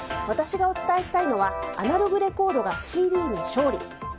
私がお伝えしたいのはアナログレコードがＣＤに勝利。